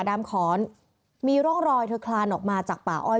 ดำขอนมีร่องรอยเธอคลานออกมาจากป่าอ้อย